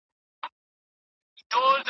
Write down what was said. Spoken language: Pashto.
مطالعه د روح لپاره خواړه دي.